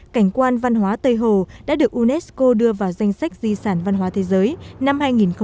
cảnh quan văn hóa tây hồ đã được unesco đưa vào danh sách di sản văn hóa thế giới năm hai nghìn một mươi tám